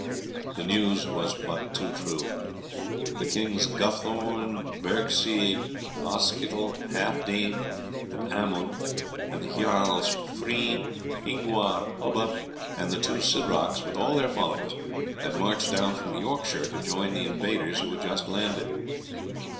The news was but too true. The kings Guthorn, Bergsecg, Oskytal, Halfdene, and Amund, and the Jarls Frene, Hingwar, Hubba, and the two Sidrocs, with all their followers, had marched down from Yorkshire to join the invaders who had just landed.